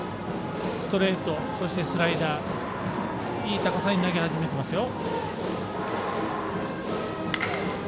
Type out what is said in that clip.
ストレート、そしてスライダーいい高さに投げ始めていますよ。